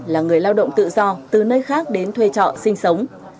là người lao động tự do từ nơi khác đến thuê trọ sinh sống